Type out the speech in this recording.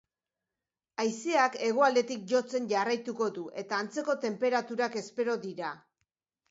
Haizeak hegoaldetik jotzen jarraituko du, eta antzeko tenperaturak espero dira.